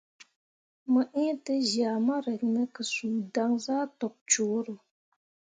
Mo ĩĩ tezyah mo rǝk me ke suu dan zah tok cuuro.